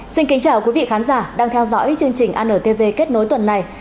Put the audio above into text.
xin kính chào quý vị khán giả đang theo dõi chương trình antv kết nối tuần này